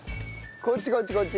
こっちこっちこっち。